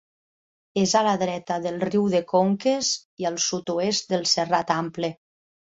És a la dreta del riu de Conques i al sud-oest del Serrat Ample.